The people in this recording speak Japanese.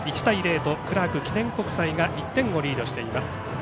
１対０とクラーク記念国際が１点をリードしています。